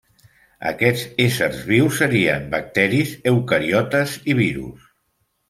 Aquests éssers vius serien bacteris, eucariotes i virus.